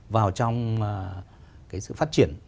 vào trong sự phát triển